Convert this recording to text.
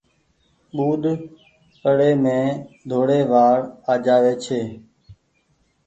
ٻوڏپڙي مين ڌوڙي وآڙ آجآوي ڇي۔